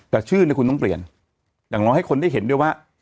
แต่ชื่อเนี่ยคุณต้องเปลี่ยนอย่างน้อยให้คนได้เห็นด้วยว่า